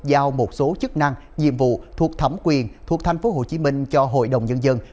giao một số chức năng nhiệm vụ thuộc thẩm quyền thuộc tp hcm cho hội đồng nhân dân